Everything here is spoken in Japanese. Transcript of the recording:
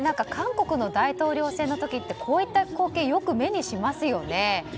韓国の大統領選の時ってこういった光景よく目にしますよね。